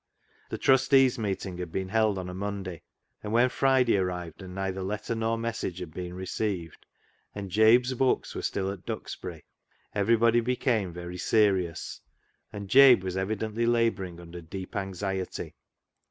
The Trustees' Meeting had been held on a Monday, and when Friday arrived and neither letter nor message had been received, and Jabe's books were still at Duxbury, everybody became very serious, and Jabe was evidently labouring under deep anxiety.